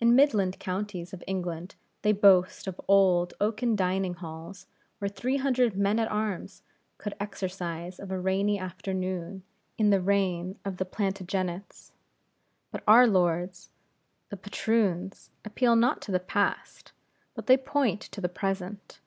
In midland counties of England they boast of old oaken dining halls where three hundred men at arms could exercise of a rainy afternoon, in the reign of the Plantagenets. But our lords, the Patroons, appeal not to the past, but they point to the present.